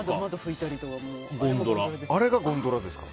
あれがゴンドラですか。